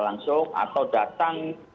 langsung atau datang